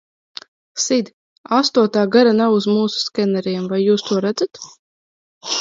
Sid, astotā gara nav uz mūsu skeneriem, vai jūs to redzat?